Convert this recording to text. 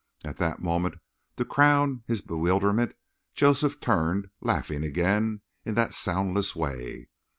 At that moment, to crown his bewilderment, Joseph turned, laughing again in that soundless way.